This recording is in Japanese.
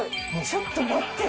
ちょっと待って。